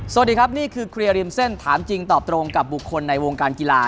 สวัสดีครับนี่คือเคลียร์ริมเส้นถามจริงตอบตรงกับบุคคลในวงการกีฬา